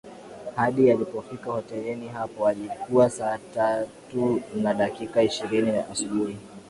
Hadi alipofika hotelini hapo ilikuwa saa tat una dakika ishirini asubuhi